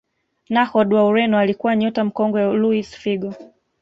nahod wa ureno alikuwa nyota mkongwe luis Figo